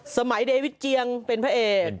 สมัยเดวิทเจียงเป็นพระเอก